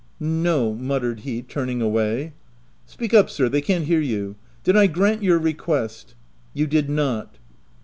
'• No," muttered he, turning away. * Speak up sir ; they can't hear you. Did I grant your request?" « You did not."